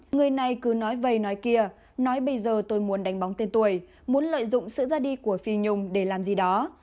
người này cứ nói vầy nói kia nói bây giờ tôi muốn đánh bóng tên tuổi muốn lợi dụng sự ra đi của phi nhung để làm gì đó